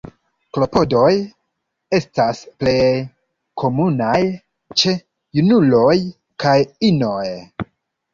Klopodoj estas plej komunaj ĉe junuloj kaj inoj.